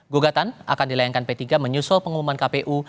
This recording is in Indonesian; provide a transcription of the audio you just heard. gugatan akan dilayangkan p tiga menyusul pengumuman kpu